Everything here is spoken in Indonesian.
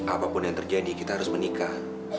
apapun yang terjadi kita harus menikah